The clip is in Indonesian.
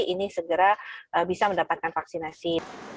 ini segera bisa mendapatkan vaksinasi